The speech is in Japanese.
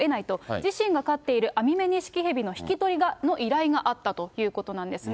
自身が飼っているアミメニシキヘビの引き取りの依頼があったということなんですね。